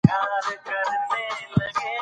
عطفي ترکیب د یو شي په طرف ګرځېدو ته وایي.